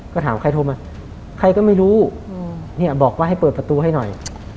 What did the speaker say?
ก็ถามใครโทรมาใครก็ไม่รู้เนี่ยบอกว่าให้เปิดประตูให้หน่อย